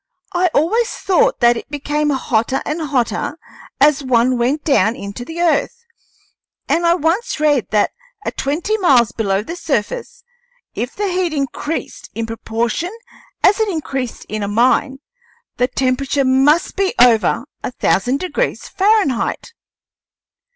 I always thought that it became hotter and hotter as one went down into the earth; and I once read that at twenty miles below the surface, if the heat increased in proportion as it increased in a mine, the temperature must be over a thousand degrees Fahrenheit.